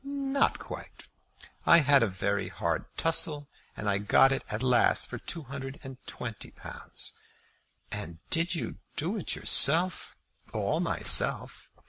"Not quite. I had a very hard tussle, and got it at last for two hundred and twenty pounds." "And did you do it yourself?" "All myself.